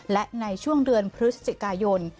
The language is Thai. และในช่วงเดือนพฤศจิกายน